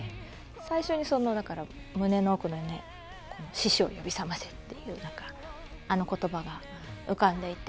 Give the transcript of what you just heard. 最初に、だから胸の奥の獅子を呼び覚ませってあの言葉が浮かんでいて。